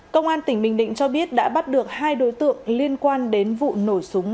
công an tp huế đã bắt được hai đối tượng liên quan đến vụ nổ súng